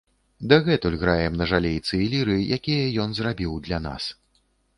Дагэтуль граем на жалейцы і ліры, якія ён зрабіў для нас.